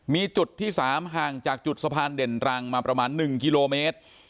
มีจุดที่๓ห่างจากจุดสะพานเด่นรังมาประมาณ๑กิโลเมตร